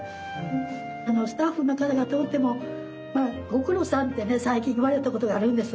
スタッフの方が通っても「ご苦労さん」って最近言われたことがあるんです。